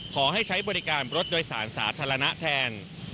ขอให้ใช้บริการรถโดยสารสาธารณะแทน